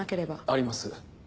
あります。